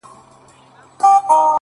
او ښه په ډاگه درته وايمه چي؛